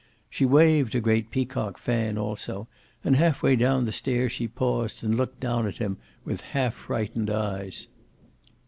She waved a great peacock fan, also, and half way down the stairs she paused and looked down at him, with half frightened eyes.